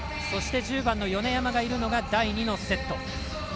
そして１０番の米山がいるのが第２のセット。